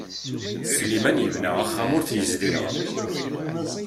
Sliman yebna axxam ur t-yezdiɣ.